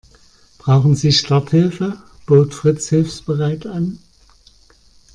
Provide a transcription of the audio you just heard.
Brauchen Sie Starthilfe?, bot Fritz hilfsbereit an.